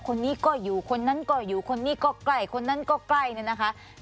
คนนี้ก็อยู่คนนั้นก็อยู่คนนี้ก็ใกล้คนนั้นก็ใกล้เนี่ยนะคะ